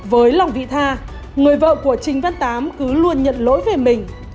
với lòng vị tha người vợ của trình văn tám cứ luôn nhận lỗi về mình